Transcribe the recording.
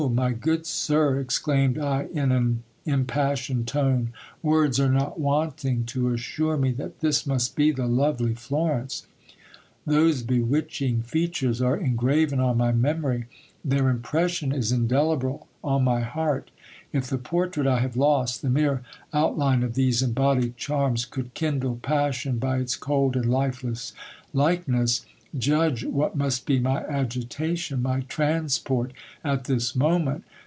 my good sir, exclaimed I in an impassioned tone, words are not wanting to assure me that this must be the lo/ely Florence: those bewitching features are engraven on my memory, their impression is indelible on my heart If the portrait I have lost, the mere out line of these embodied charms, could kindle passion by its cold and lifeless likeness, judge what must be my agitation, my transport at this moment.